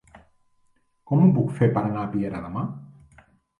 Com ho puc fer per anar a Piera demà?